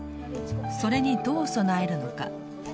それにどう備えるのか。